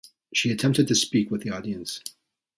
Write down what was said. She attempted to speak with the audience.